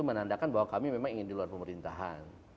menandakan bahwa kami memang ingin di luar pemerintahan